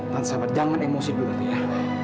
tante sabar jangan emosi dulu tante ya